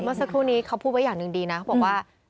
เมื่อสักครู่นี้เขาพูดไว้อย่างหนึ่งดีนะเขาบอกว่า